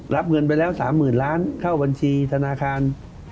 รับเงินไปแล้ว๓๐๐๐ล้านเข้าบัญชีธนาคาร